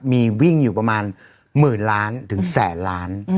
มีวิ่งอยู่ประมาณหมื่นล้านถึงแสนล้าน